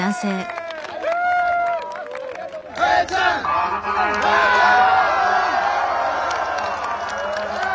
永ちゃん！永ちゃん！